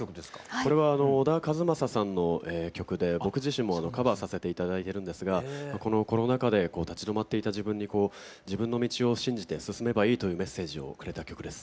これは小田和正さんの曲で僕自身もカバーさせて頂いてるんですがこのコロナ禍で立ち止まっていた自分に自分の道を信じて進めばいいというメッセージをくれた曲です。